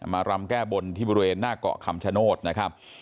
รำแก้บนที่บริเวณหน้าเกาะคำชโนธนะครับ